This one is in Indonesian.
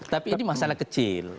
tapi ini masalah kecil